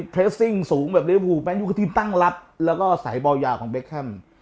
เทรสซิ่งสูงแบบนี้มันอยู่กับทีมตั้งลับแล้วก็สายบอลยาวของเบคคัม